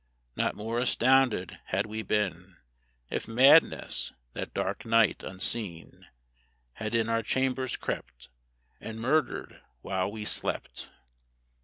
Not more astounded had we been If Madness, that dark night, unseen, Had in our chambers crept, And murdered while we slept!